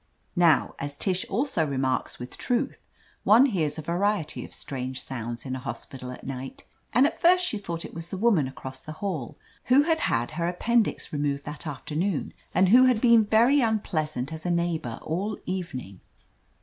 Now, as Tish also remarks with truth, one hears a variety of strange sounds in a hospital at night, and at first she thought it was the woman across the hall, who had had her appendix removed that afternoon, and who had been very unpleasant as a neighbor all evening.